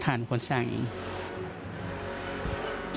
อ๋อท่านเป็นคนสร้างเอง